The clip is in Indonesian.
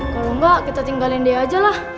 kalau enggak kita tinggalin dia aja lah